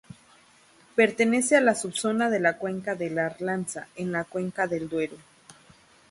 Pertenece a la subzona de la cuenca del Arlanza, en la cuenca del Duero.